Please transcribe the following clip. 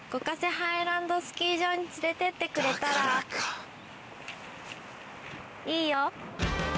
ハイランドスキー場に連れてってくれたらいいよ。